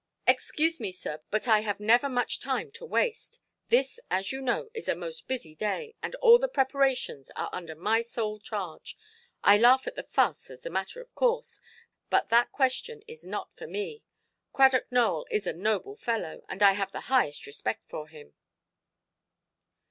"Excuse me, sir, but I have never much time to waste. This, as you know, is a most busy day, and all the preparations are under my sole charge. I laugh at the fuss, as a matter of course. But that question is not for me. Cradock Nowell is a noble fellow, and I have the highest respect for him".